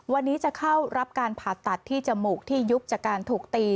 วันนี้จะเข้ารับการผ่าตัดที่จมูกที่ยุบจากการถูกตี